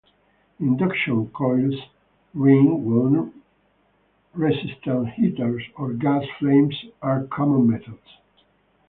Induction coils, ring-wound resistance heaters, or gas flames are common methods.